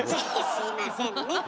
すいませんね。